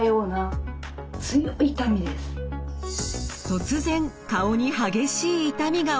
突然顔に激しい痛みが起こる。